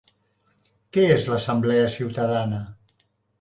Què és l'Assemblea Ciutadana?